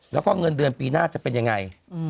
แล้วก็เงินเดือนปีหน้าจะเป็นยังไง